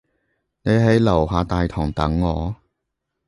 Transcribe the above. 你喺樓下大堂等我